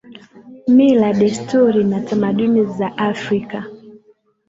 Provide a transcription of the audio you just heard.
mila desturi na tamaduni za afrika